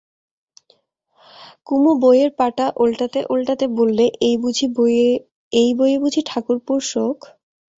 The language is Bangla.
কুমু বইয়ের পাতা ওলটাতে ওলটাতে বললে, এই বইয়ে বুঝি ঠাকুরপোর শখ?